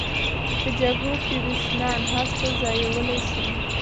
د جګړو تیورسنان هر څه ځایولی شي.